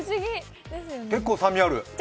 結構酸味ある。